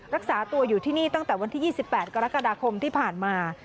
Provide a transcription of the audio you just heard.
รักษาตัวอยู่ที่นี่ตั้งแต่วันที่๒๘กรกฎาคมที่ผ่านมา